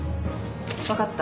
分かった。